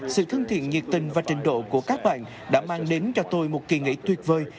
sự thân thiện nhiệt tình và trình độ của các bạn đã mang đến cho tôi một kỳ nghỉ tuyệt vời